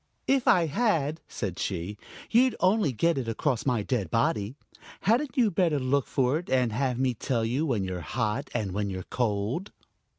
"If I had," said she, "you'd only get it across my dead body! Hadn't you better look for it, and have me tell you when you're hot and when you're cold?"